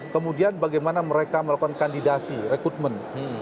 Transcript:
kemudian bagaimana mereka melakukan kandidasi rekrutmen